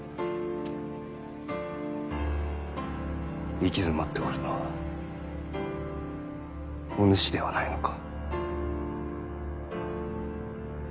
行き詰まっておるのはお主ではないのか？